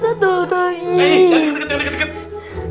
nih jangan deket deket